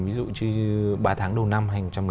ví dụ như ba tháng đầu năm hai nghìn một mươi chín